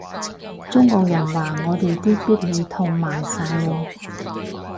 中國人話我哋啲必理痛賣晒喎